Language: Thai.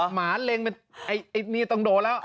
หมาเล็งแมวตัวแล้ว